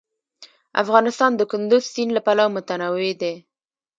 افغانستان د کندز سیند له پلوه متنوع دی.